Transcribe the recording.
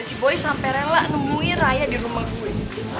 si boy sampe rela nemuin raya di rumah gue